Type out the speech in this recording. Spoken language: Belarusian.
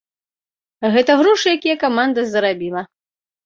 Гэта грошы, якія каманда зарабіла.